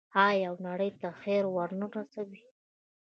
آیا او نړۍ ته خیر ورنه رسوي؟